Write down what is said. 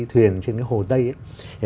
thuyền trên cái hồ tây ấy